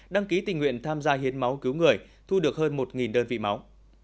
đăng ký tình nguyện tham gia hiến máu cứu người thu được hơn một đơn vị máu